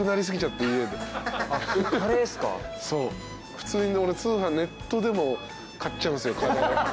普通に俺通販ネットでも買っちゃうんすよカレー。